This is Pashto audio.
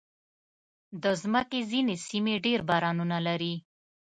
د مځکې ځینې سیمې ډېر بارانونه لري.